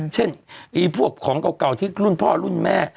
เช่นพวกของเก่าที่รุ่นพ่อรุ่นแม่